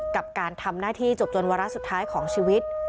กับการทำหน้าที่จบจนวาระสุดท้ายของชีวิต